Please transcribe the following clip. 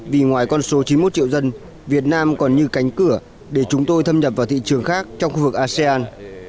vì ngoài con số chín mươi một triệu dân việt nam còn như cánh cửa để chúng tôi thâm nhập vào thị trường khác trong khu vực asean